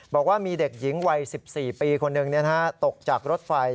บอกว่ามีเด็กหญิงวัย๑๔ปีคนหนึ่งตกจากรถไฟ